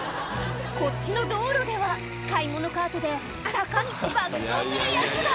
こっちの道路では買い物カートで坂道爆走するヤツが！